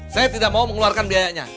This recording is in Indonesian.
saya tidak mau mengeluarkan biayanya